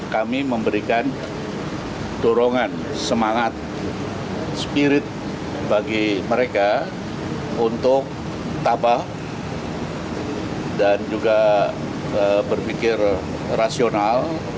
kami memberikan dorongan semangat spirit bagi mereka untuk tabah dan juga berpikir rasional